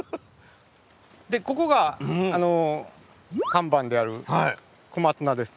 でここがあの看板である小松菜です。